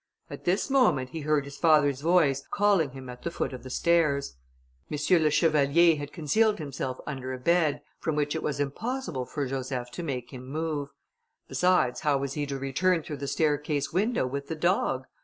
At this moment, he heard his father's voice, calling him at the foot of the stairs. M. le Chevalier had concealed himself under a bed, from which it was impossible for Joseph to make him move. Besides, how was he to return through the staircase window with the dog?